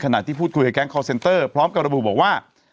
ที่พูดคุยกับแก๊งคอลเซนเตอร์พร้อมกับระบุบอกว่า